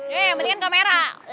he yang penting kamera